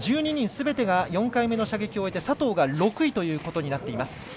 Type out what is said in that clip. １２人すべてが４回目の射撃を終えて佐藤が６位ということになっています。